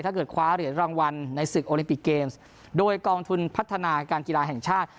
คว้าเหรียญรางวัลในศึกโอลิมปิกเกมส์โดยกองทุนพัฒนาการกีฬาแห่งชาติ